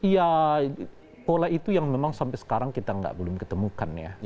ya pola itu yang memang sampai sekarang kita belum ketemukan ya